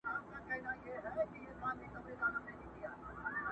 د ساندو له کوګله زمزمې دي چي راځي!!